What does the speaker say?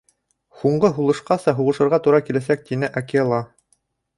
— Һуңғы һулышҡаса һуғышырға тура киләсәк, — тине Акела.